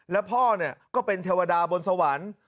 แล้วพ่อก็เป็นเทวดาบนสวรรค์